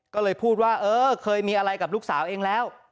ก็เลยพูดว่าเออเคยมีอะไรกับลูกสาวเองแล้ว